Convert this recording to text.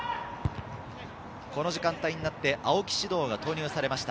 この時間帯になって青木詩童が投入されました。